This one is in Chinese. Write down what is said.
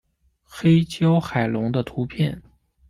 黑胶海龙的图片